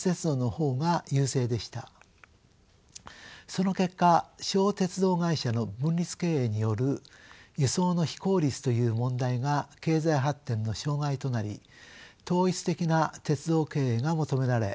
その結果小鉄道会社の分立経営による輸送の非効率という問題が経済発展の障害となり統一的な鉄道経営が求められ